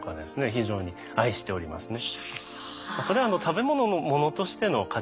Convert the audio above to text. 非常に愛しておりますね。